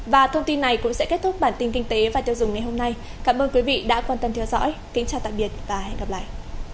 và thông tin này cũng sẽ kết thúc bản tin kinh tế và tiêu dùng ngày hôm nay cảm ơn quý vị đã quan tâm theo dõi kính chào tạm biệt và hẹn gặp lại